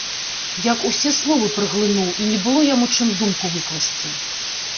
Як усе словы праглынуў і не было яму чым думку выкласці.